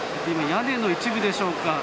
今、屋根の一部でしょうか。